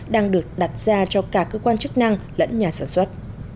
đang được đặt ra cho cả cơ quan chức năng lẫn nhà sản xuất